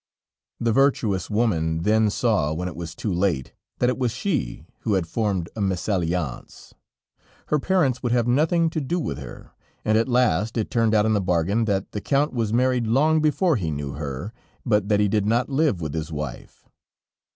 The virtuous woman then saw, when it was too late, that it was she who had formed a mesalliance. Her parents would have nothing to do with her, and at last it turned out in the bargain that the Count was married long before he knew her, but that he did not live with his wife.